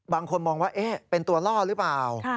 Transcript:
บางคนมองว่าเป็นตัวล่อหรือเปล่า